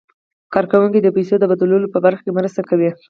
کارکوونکي د پيسو د بدلولو په برخه کې مرسته کوي.